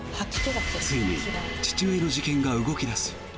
ついに父親の事件が動き出す。